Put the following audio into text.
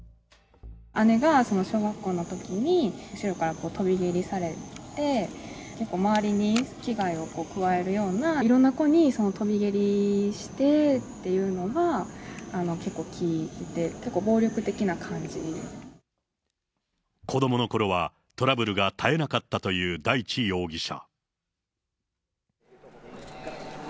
姉が小学校のときに、後ろから跳び蹴りされて、結構、周りに危害を加えるような、いろんな子に跳び蹴りしてっていうのは、結構聞いてて、結構、暴子どものころは、トラブルが絶えなかったという大地容疑者。